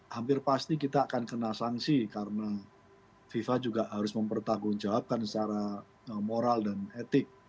hampir pasti kita akan kena sanksi karena fifa juga harus mempertanggungjawabkan secara moral dan etik